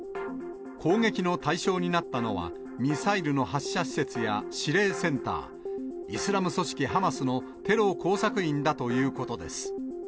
攻撃の対象になったのは、ミサイルの発射施設や指令センター、イスラム組織ハマスのテロ工作員だということです。